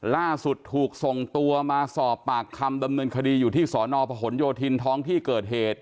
ล่าสุดถูกส่งตัวมาสอบปากคำดำเนินคดีอยู่ที่สอนอพหนโยธินท้องที่เกิดเหตุ